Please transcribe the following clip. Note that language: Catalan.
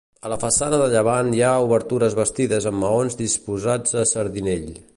A la façana de llevant hi ha obertures bastides amb maons disposats a sardinell.